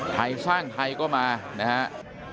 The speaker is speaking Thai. ใครสร้างใครก็มานะครับ